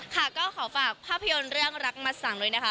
ค่ะก็ขอฝากภาพยนตร์เรื่องรักมาสั่งด้วยนะคะ